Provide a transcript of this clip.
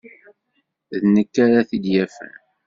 D nekk ara t-id-yafen.